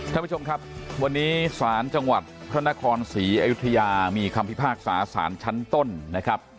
ท่านผู้ชมครับวันนี้ศาลจังหวัดพระนครศรีอยุธยามีคำพิพากษาสารชั้นต้นนะครับ